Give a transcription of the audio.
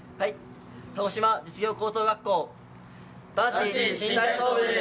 鹿児島実業高等学校男子新体操部です！